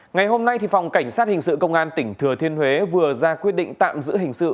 ngày hôm nay phòng cảnh sát hình sự công an tỉnh thừa thiên huế vừa ra quyết định tạm giữ hình sự